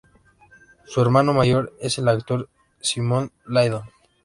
Su hermano mayor es el actor Simon Lyndon.